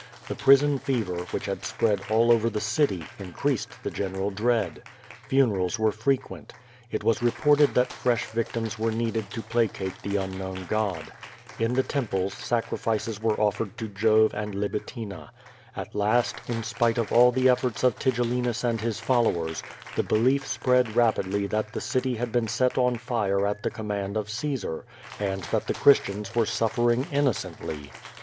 The prison. fever, which had spread all over the city, increased the general dread. Funerals were frequent. It was reported that fresh victims were needed to placate the unknown God. In the temples, sacrifices were offered to Jove and Libitina. At last, in spite of all the efforts of Tigellinus and his followers, the belief spread rapidly that the city had been set on fire at the command of Caesar, and that the Chris tians were suffering innocently.